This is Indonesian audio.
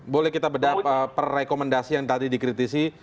boleh kita bedah per rekomendasi yang tadi dikritisi